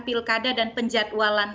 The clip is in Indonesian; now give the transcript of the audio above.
pilkada dan penjadwalan